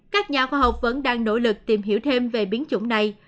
các nhà khoa học vẫn đang nỗ lực tìm hiểu thêm về biến chủng này